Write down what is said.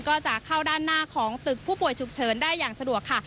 ก็จะเข้าด้านหน้าของตึกผู้ป่วยฉุกเฉินได้อย่างสะดวกค่ะ